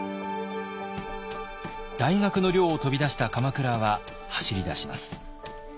大学の寮を飛び出した鎌倉は走りだします。